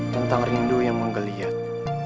tentang rindu yang menggeliat